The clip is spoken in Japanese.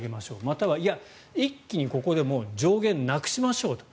または、いや、一気にここで上限をなくしましょうと。